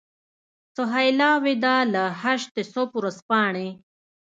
سهیلا وداع له هشت صبح ورځپاڼې.